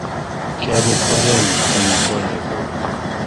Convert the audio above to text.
Kiabot orenyu eng' konyekuk